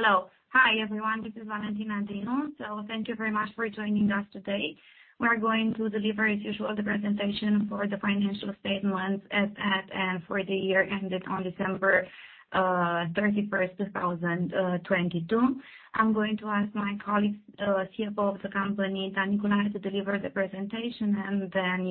Hello. Hi, everyone. This is Valentina Dinu. Thank you very much for joining us today. We are going to deliver as usual the presentation for the financial statements as at for the year ended on December 31st, 2022. I'm going to ask my colleague, CFO of the company, Dan Culai, to deliver the presentation, and then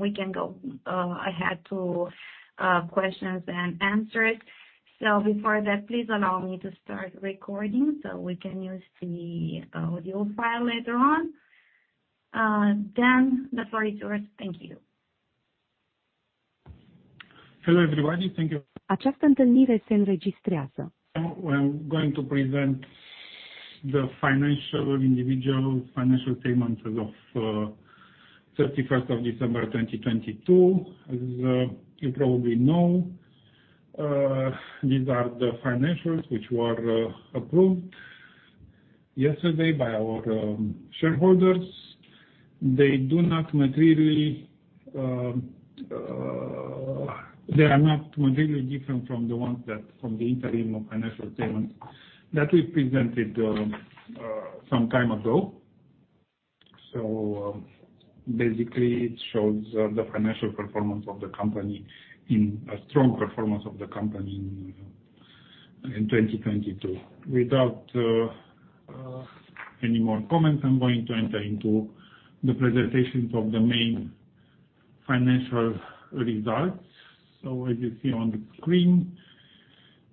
we can go ahead to questions and answers. Before that, please allow me to start recording so we can use the audio file later on. Dan, the floor is yours. Thank you. Hello, everybody. Thank you. I'm going to present the individual financial statements as of 31st of December 2022. As you probably know, these are the financials which were approved yesterday by our shareholders. They are not materially different from the interim of financial statements that we presented some time ago. Basically, it shows the financial performance of the company in a strong performance of the company in 2022. Without any more comments, I'm going to enter into the presentations of the main financial results. As you see on the screen,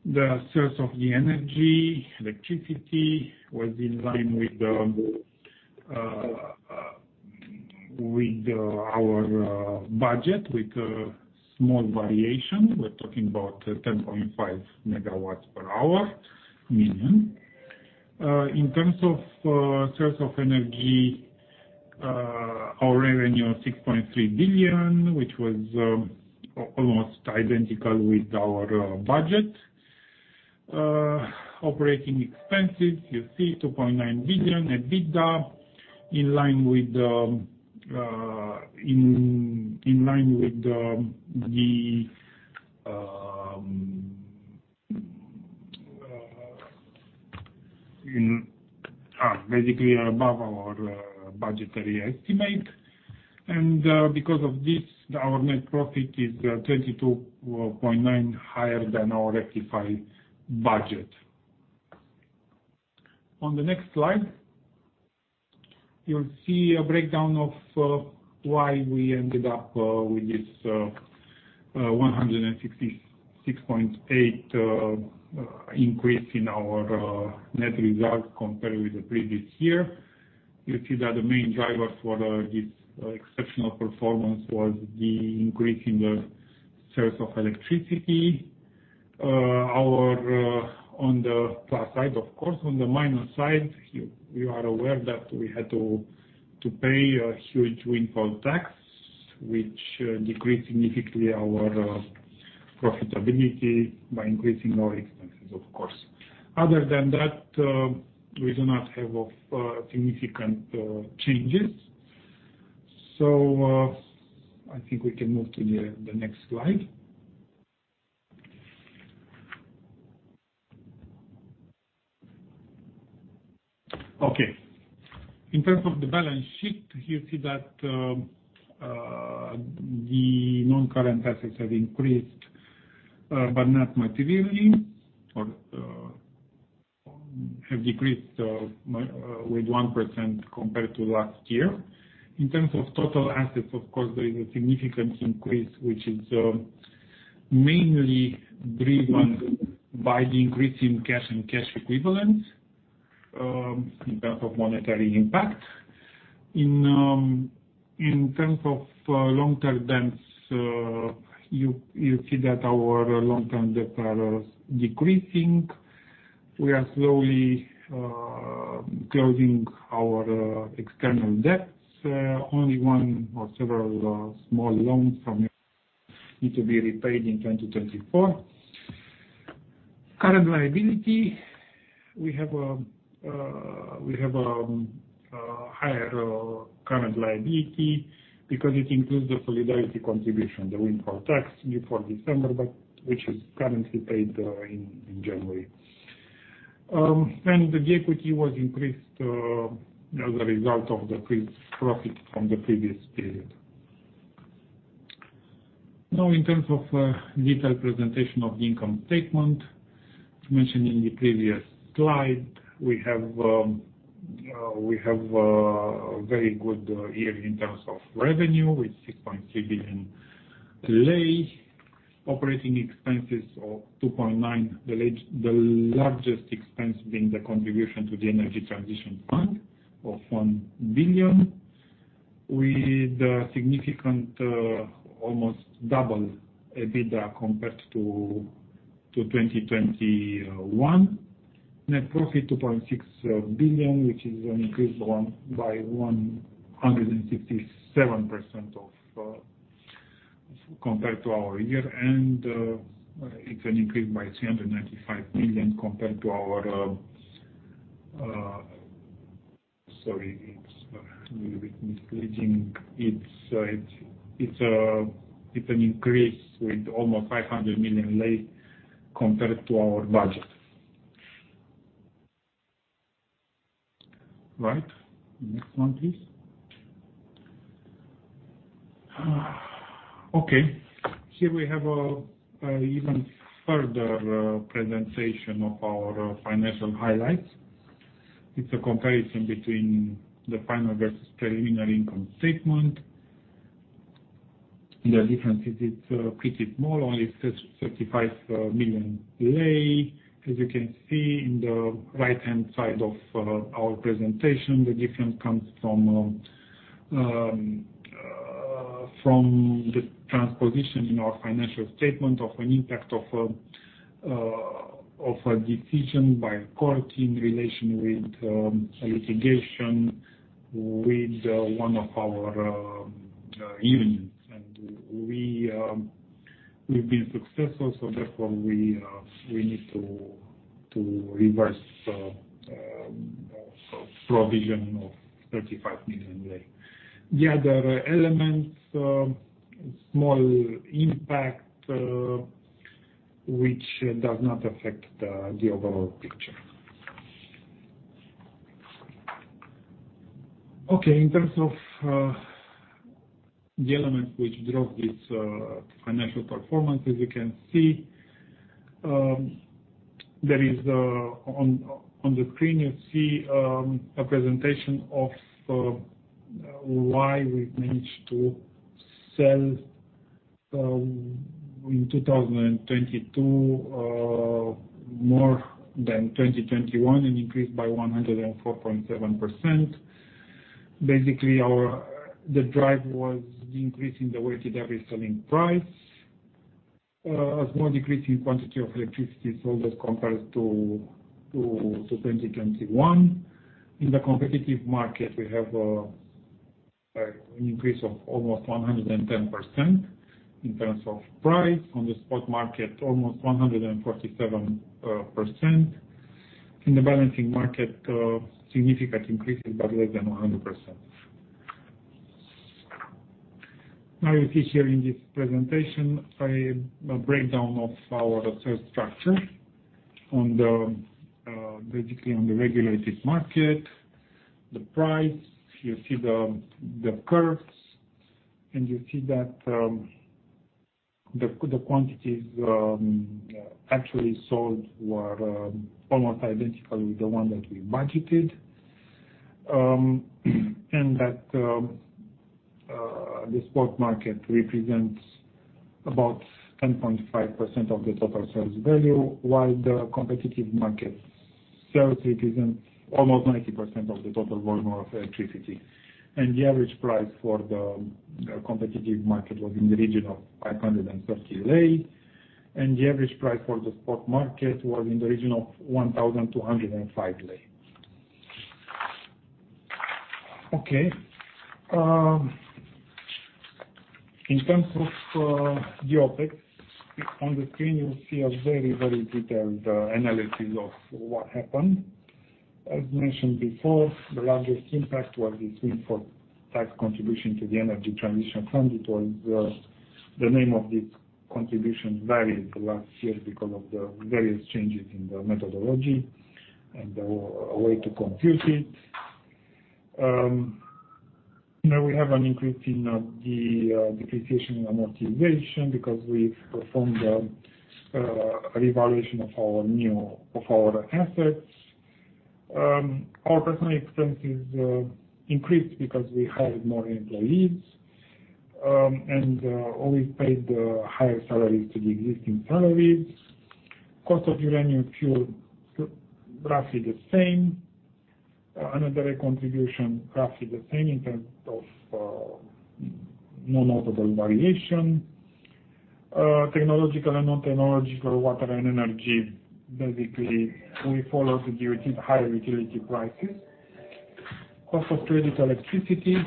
the sales of the energy, electricity was in line with our budget with a small variation. We're talking about 10.5 megawatt-hours, million. In terms of sales of energy, our revenue of 6.3 billion, which was almost identical with our budget. Operating expenses, you see 2.9 billion. EBITDA basically above our budgetary estimate. Because of this, our net profit is 32.9, higher than our rectify budget. On the next slide, you'll see a breakdown of why we ended up with this RON 166.8 increase in our net results compared with the previous year. You see that the main drivers for this exceptional performance was the increase in the sales of electricity. Our On the plus side, of course, on the minus side, you are aware that we had to pay a huge windfall tax, which decreased significantly our profitability by increasing our expenses, of course. Other than that, we do not have significant changes. I think we can move to the next slide. In terms of the balance sheet, you see that the non-current assets have increased, but not materially or have decreased with 1% compared to last year. In terms of total assets, of course, there is a significant increase, which is mainly driven by the increase in cash and cash equivalents, in terms of monetary impact. In terms of long-term debts, you see that our long-term debts are decreasing. We are slowly closing our external debts. Only one or several small loans from need to be repaid in 2024. Current liability, we have a higher current liability because it includes the solidarity contribution, the windfall tax due for December, but which is currently paid in January. The equity was increased as a result of the increased profit from the previous period. Now, in terms of detailed presentation of the income statement, as mentioned in the previous slide, we have a very good year in terms of revenue with 6.3 billion. Operating expenses of RON 2.9, the largest expense being the contribution to the Energy Transition Fund of 1 billion, with a significant, almost double EBITDA compared to 2021. Net profit 2.6 billion, which is increased by 167% compared to our year. It's an increase by 395 million compared to our. Sorry, it's a little bit misleading. It's an increase with almost 500 million compared to our budget. Right. Next one, please. Okay. Here we have a even further presentation of our financial highlights. It's a comparison between the final versus preliminary income statement. The difference is it's pretty small, only 35 million. As you can see in the right-hand side of our presentation, the difference comes from from the transposition in our financial statement of an impact of of a decision by court in relation with a litigation with one of our unions. We've been successful, therefore we need to reverse a provision of 35 million lei. The other elements, small impact, which does not affect the overall picture. Okay. In terms of the elements which drove this financial performance, as you can see, there is on the screen you see a presentation of why we've managed to sell in 2022 more than 2021, an increase by 104.7%. Basically the drive was increasing the weighted average selling price, a small decrease in quantity of electricity sold as compared to 2021. In the competitive market, we have an increase of almost 110% in terms of price. On the spot market, almost 147%. In the balancing market, a significant increase of about more than 100%. You see here in this presentation a breakdown of our sales structure on the basically on the regulated market, the price. You see the curves, and you see that the quantities actually sold were almost identical with the one that we budgeted. The spot market represents about 10.5% of the total sales value, while the competitive market sales represent almost 90% of the total volume of electricity. The average price for the competitive market was in the region of 530 lei, and the average price for the spot market was in the region of 1,205 lei. Okay. In terms of the OpEx, on the screen you see a very, very detailed analysis of what happened. As mentioned before, the largest impact was this import tax contribution to the Energy Transition Fund or the name of the contribution varied last year because of the various changes in the methodology and the way to compute it. Now we have an increase in the depreciation amortization because we've performed a revaluation of our assets. Our personnel expenses increased because we hired more employees and always paid higher salaries to the existing salaries. Cost of uranium fuel roughly the same. Another contribution, roughly the same in terms of no notable variation. Technological and non-technological water and energy, basically, we follow the utility, higher utility prices. Cost of purchased electricity.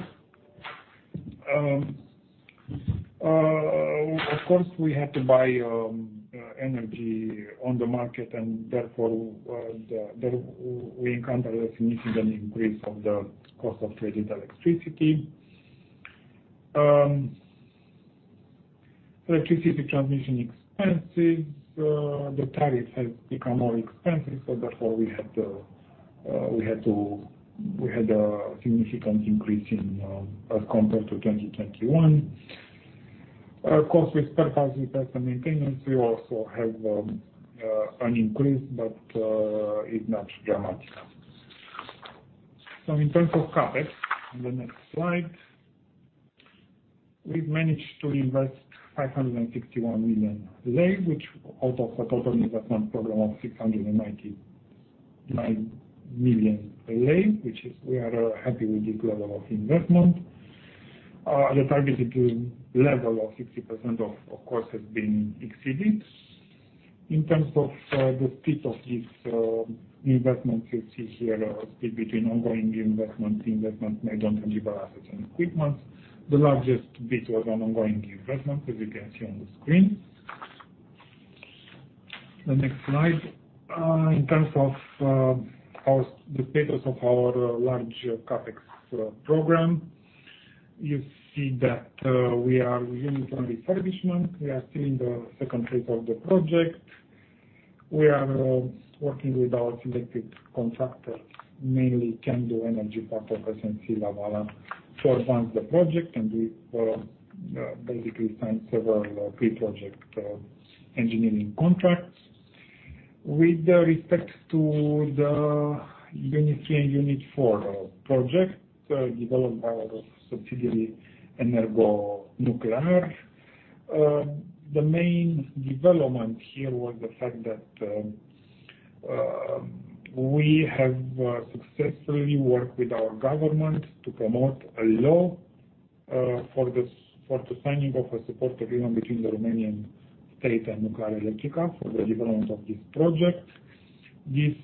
Of course, we had to buy energy on the market and therefore we encounter a significant increase of the cost of purchased electricity. Electricity transmission expenses. The tariff has become more expensive, so therefore we had a significant increase as compared to 2021. Of course, with powerhouse impact and maintenance, we also have an increase, it's not dramatic. In terms of CapEx, on the next slide. We've managed to invest RON 561 million, out of a total investment program of 699 million, we are happy with this level of investment. The targeted level of 60% of course, has been exceeded. In terms of the split of this investment, you see here a split between ongoing investment made on tangible assets and equipment. The largest bit was on ongoing investment, as you can see on the screen. The next slide. In terms of the status of our large CapEx program, you see that we are reviewing unit refurbishment. We are still in the second phase of the project. We are working with our selected contractors, mainly Candu Energy and SNC-Lavalin, to advance the project, and we will basically sign several pre-project engineering contracts. With respect to the Unit three and Unit four project developed by our subsidiary EnergoNuclear. The main development here was the fact that we have successfully worked with our government to promote a law for the signing of a support agreement between the Romanian state and Nuclearelectrica for the development of this project. This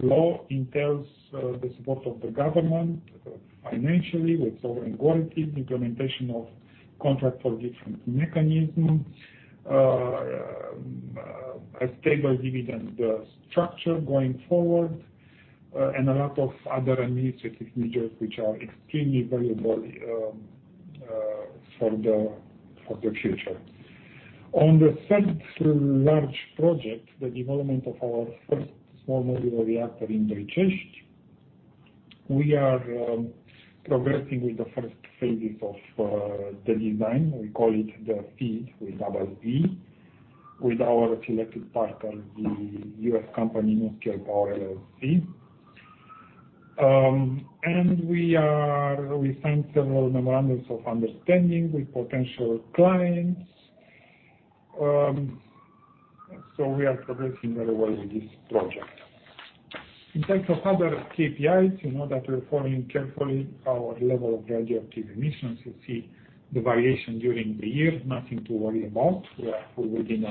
law entails the support of the government financially with sovereign guarantees, implementation of Contract for Difference mechanism. A stable dividend structure going forward, and a lot of other administrative measures which are extremely valuable for the future. On the third large project, the development of our first small modular reactor in Bihor, we are progressing with the first phases of the design. We call it the FEED with our selected partner, the U.S. company, NuScale Power LLC. We signed several memorandums of understanding with potential clients. We are progressing very well with this project. In terms of other KPIs, you know that we are following carefully our level of radioactive emissions. You see the variation during the year. Nothing to worry about. We are within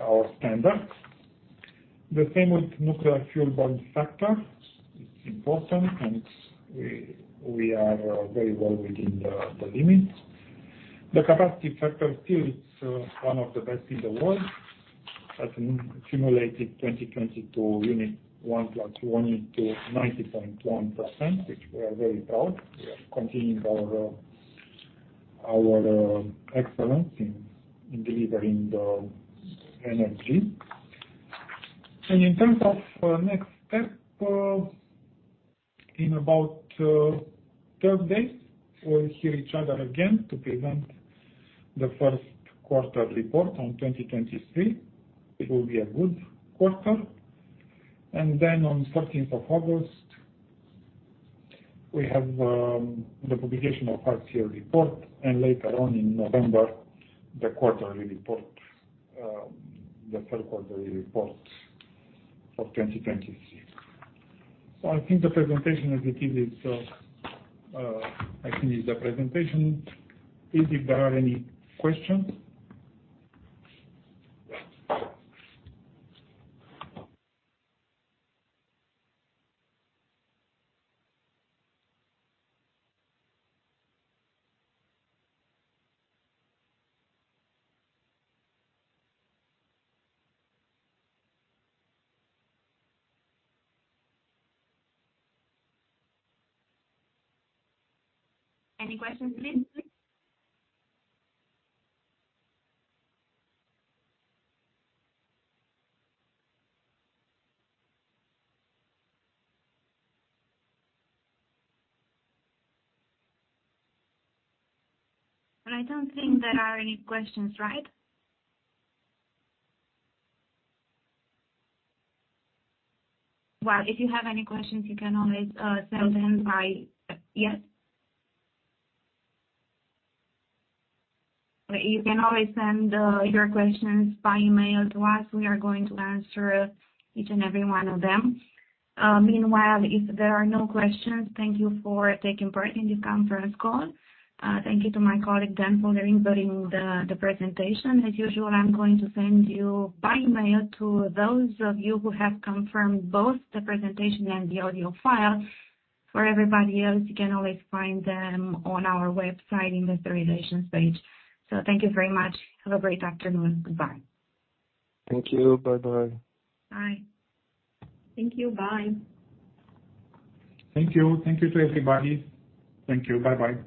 our standards. The same with nuclear fuel burnup. It's important and we are very well within the limits. The capacity factor still it's one of the best in the world. As in accumulated 2022 Unit 1 plus one Unit 2 90.1%, which we are very proud. We are continuing our excellence in delivering the energy. In terms of next step, in about third base, we'll hear each other again to present the first quarter report on 2023. It will be a good quarter. On 14th of August, we have the publication of our CSR report. Later on in November, the quarterly report, the third quarterly report for 2023. I think the presentation is completed. I finish the presentation. Please if there are any questions. Any questions please? I don't think there are any questions, right? If you have any questions, you can always send them by... Yes? You can always send your questions by email to us. We are going to answer each and every one of them. Meanwhile, if there are no questions, thank you for taking part in this conference call. Thank you to my colleague Dan for delivering the presentation. As usual, I'm going to send you by email to those of you who have confirmed both the presentation and the audio file. For everybody else, you can always find them on our website Investor Relations page. Thank you very much. Have a great afternoon. Goodbye. Thank you. Bye-bye. Bye. Thank you. Bye. Thank you. Thank you to everybody. Thank you. Bye-bye.